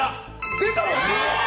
出た！